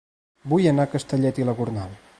Vull anar a Castellet i la Gornal